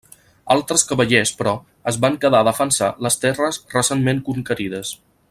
Altres cavallers, però, es van quedar a defensar les terres recentment conquerides.